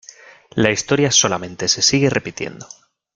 La historia solamente se sigue repitiendo.